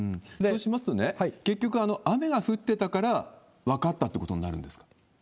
そうしますと、結局、雨が降ってたから分かったってことになるんですか？